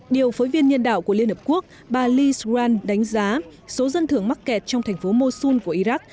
điều phối viên nhân đạo của liên hợp quốc bà liz grant đánh giá số dân thường mắc kẹt trong thành phố mosul của iraq